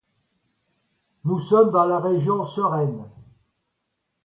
Nous sommes dans la région sereine.